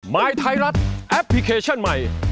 มายไทยรัฐแอปพลิเคชันใหม่